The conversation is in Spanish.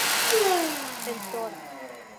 En "Tora!